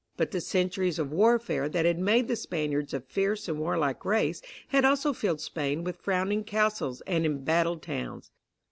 But the centuries of warfare that had made the Spaniards a fierce and warlike race, had also filled Spain with frowning castles and embattled towns.